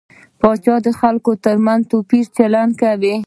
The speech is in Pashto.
پاچا د خلکو تر منځ توپيري چلند کوي .